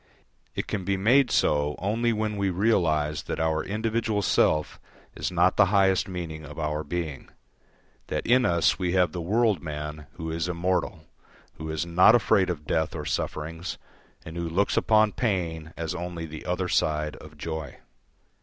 It can be made so only when we realise that our individual self is not the highest meaning of our being, that in us we have the world man who is immortal, who is not afraid of death or sufferings, and who looks upon pain as only the other side of joy.